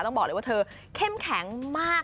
ต้องบอกเลยว่าเธอเข้มแข็งมาก